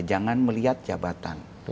jangan melihat jabatan